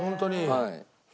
はい。